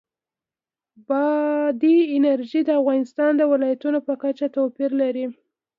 بادي انرژي د افغانستان د ولایاتو په کچه توپیر لري.